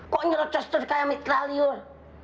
kok nyuruh costur kayak mitraliur